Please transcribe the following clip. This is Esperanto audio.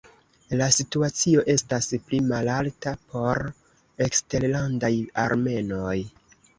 La situacio estas pli malalta por eksterlandaj armenoj.